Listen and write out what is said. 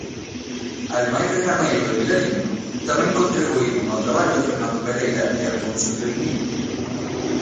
Ademais de Janeiro e Vilariño, tamén contribuíron ao traballo Fernando Pereira e Alfonso Toimil.